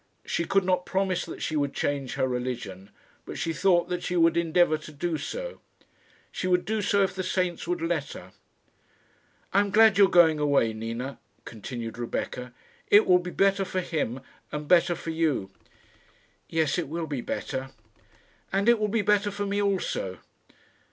She could not promise that she would change her religion, but she thought that she would endeavour to do so. She would do so if the saints would let her. "I am glad you are going away, Nina," continued Rebecca. "It will be better for him and better for you." "Yes, it will be better." "And it will be better for me also."